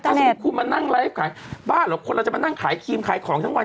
ถ้าสมมุติคุณมานั่งไลฟ์ขายบ้าเหรอคนเราจะมานั่งขายครีมขายของทั้งวัน